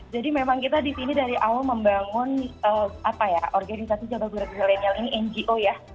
jadi memang kita disini dari awal membangun apa ya organisasi jabar zilenial ini ngo ya